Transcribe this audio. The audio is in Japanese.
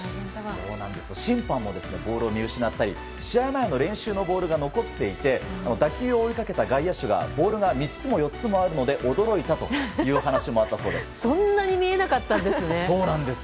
審判もボールを見失ったり試合前の練習のボールが残っていて打球を追いかけた外野手がボールが３つも４つもあるので驚いたというそんなに見えなかったんですね。